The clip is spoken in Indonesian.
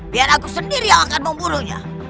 biar aku sendiri yang akan memburunya